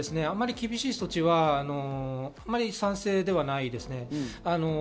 あまり厳しい措置は賛成ではないです。